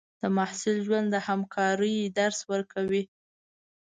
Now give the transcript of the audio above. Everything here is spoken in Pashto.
د محصل ژوند د همکارۍ درس ورکوي.